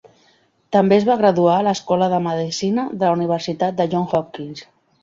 També es va graduar a l'Escola de Medicina de la Universitat de John Hopkins.